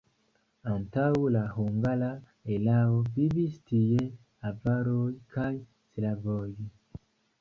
Antaŭ la hungara erao vivis tie avaroj kaj slavoj.